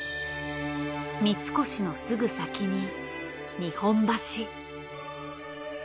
三越のすぐ先に日本橋。